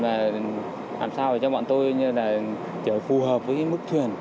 làm sao để cho bọn tôi chở phù hợp với cái mức thuyền